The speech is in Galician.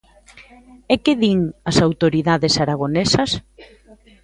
¿E que din as autoridades aragonesas?